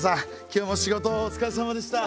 今日も仕事お疲れさまでした。